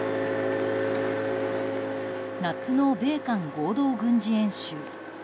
夏の米韓合同軍事演習。